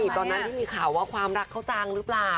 ตอนนั้นที่มีข่าวว่าความรักเขาจังหรือเปล่า